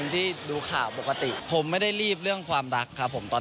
ซึ่งเจ้าตัวก็ยอมรับว่าเออก็คงจะเลี่ยงไม่ได้หรอกที่จะถูกมองว่าจับปลาสองมือ